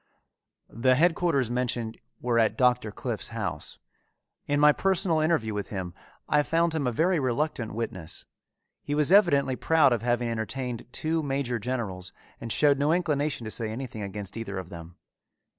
The headquarters mentioned were at Doctor Cliffe's house. In my personal interview with him, I found him a very reluctant witness. He was evidently proud of having entertained two major generals and showed no inclination to say anything against either of them.